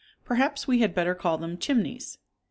Perhaps we had better call them chimneys.